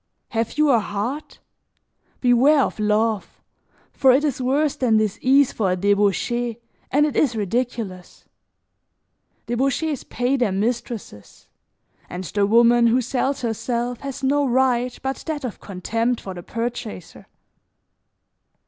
Have you a heart? Beware of love, for it is worse than disease for a debauchee and it is ridiculous. Debauchees pay their mistresses, and the woman who sells herself has no right but that of contempt for the purchaser.